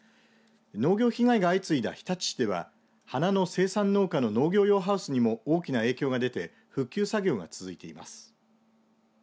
農業被害が相次いだ日立市では花の生産農家の農業用ハウスにも大きな影響が出て復旧作業が続いています。